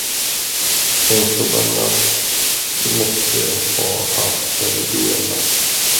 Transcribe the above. En sådan natt du måste ha haft före duellen!